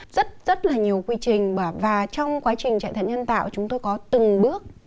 rất rất là nhiều quy trình và trong quá trình chạy thận nhân tạo chúng tôi có từng bước